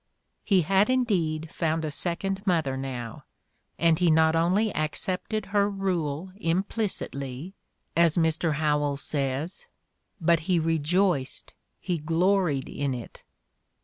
He had indeed found a second mother now, and he "not only accepted her rule implicitly," as Mr. Howells says, "but he re joiced, he fj'loried in it."